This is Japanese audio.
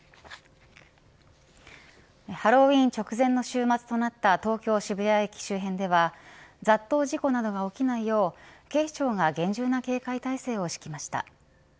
ハロウィーン直前の週末となった東京・渋谷駅周辺では雑踏事故などが起きないよう警視庁が厳重な警戒態勢を敷きました。